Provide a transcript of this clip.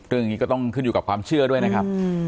เรื่องนี้ก็ต้องขึ้นอยู่กับความเชื่อด้วยนะครับ